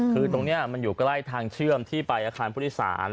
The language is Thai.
คือตรงนี้มันอยู่ใกล้ทางเชื่อมที่ไปอาคารผู้โดยสาร